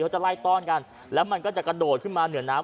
จะไล่ต้อนกันแล้วมันก็จะกระโดดขึ้นมาเหนือน้ำ